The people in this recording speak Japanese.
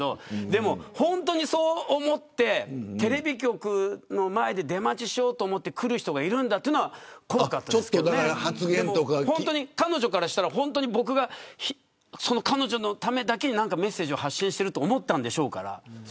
でも、本当にそう思ってテレビ局の前で出待ちしようと思って、来る人がいるんだというのは怖かったですけど本当に彼女からしたら僕が彼女のためだけにメッセージを発信していると思ったんでしょうから。